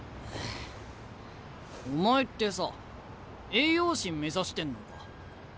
お前ってさあ栄養士目指してんのか？